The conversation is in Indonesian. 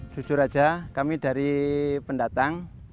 jujur saja kami dari pendatang